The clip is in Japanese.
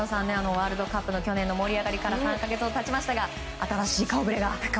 ワールドカップの去年の盛り上がりから３か月が経ちましたが新しい顔ぶれが。